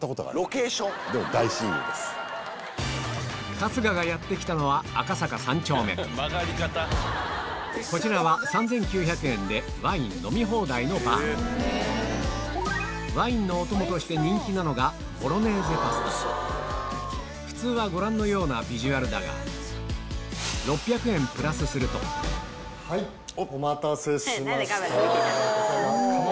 春日がやって来たのはこちらは３９００円でワイン飲み放題のバーワインのお供として人気なのが普通はご覧のようなビジュアルだがはいお待たせしました。